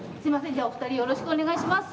じゃあお二人よろしくお願いします。